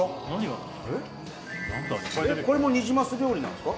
えっこれもニジマス料理なんですか？